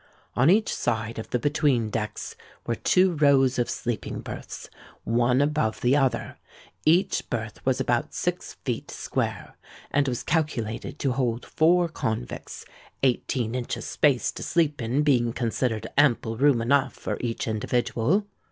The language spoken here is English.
On each side of the between decks were two rows of sleeping berths, one above the other: each berth was about six feet square, and was calculated to hold four convicts, eighteen inches' space to sleep in being considered ample room enough for each individual.